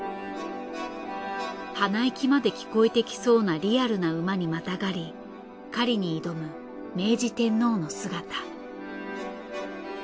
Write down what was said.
鼻息まで聞こえてきそうなリアルな馬にまたがり狩りに挑む明治天皇の姿。